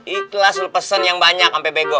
ikhlas lu pesen yang banyak sampai bego